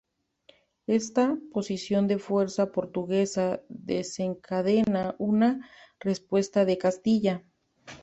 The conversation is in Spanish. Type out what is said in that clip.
Esta posición de fuerza portuguesa desencadena una respuesta de Castilla.